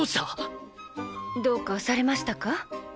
どうかされましたか？